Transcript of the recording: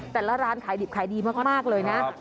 แต่ละร้านขายดิบขายดีมากเลยนะ